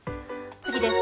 次です。